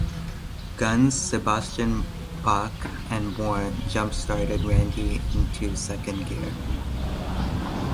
Guns, Sebastian Bach, and more, jump started Randy into second gear.